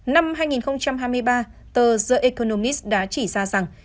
năm hai nghìn hai mươi ba tờ the economis đã chỉ ra rằng